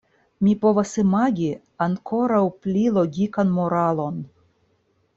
Mi povas imagi ankoraŭ pli logikan moralon.